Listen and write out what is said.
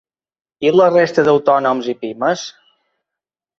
I la resta d’autònoms i pimes?